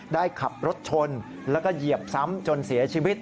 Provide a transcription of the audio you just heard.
ได้ขับรถชนแล้วก็เหยียบซ้ำจนเสียชีวิต